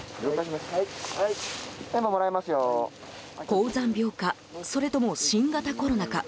高山病かそれとも新型コロナか